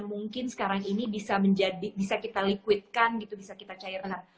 mungkin sekarang ini bisa kita liquidkan gitu bisa kita cair